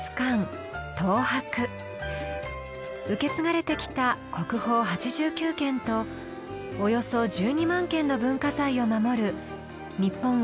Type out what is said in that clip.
受け継がれてきた国宝８９件とおよそ１２万件の文化財を守る日本を代表する博物館です。